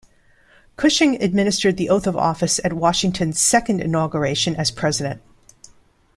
Cushing administered the oath of office at Washington's second inauguration as president.